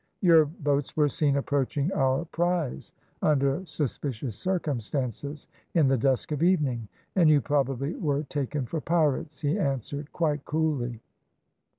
"`Your boats were seen approaching our prize under suspicious circumstances in the dusk of evening, and you probably were taken for pirates,' he answered, quite coolly.